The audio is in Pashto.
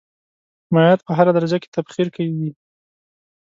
مایعات په هره درجه کې تبخیر کیږي.